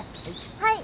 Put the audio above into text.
はい。